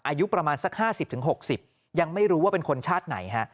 อายุประมาณสัก๕๐๖๐ยังไม่รู้ว่าเป็นคนชาติไหนฮะ